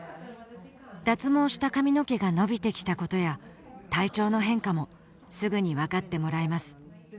脱毛した髪の毛が伸びてきたことや体調の変化もすぐに分かってもらえます